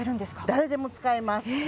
誰でも使えます。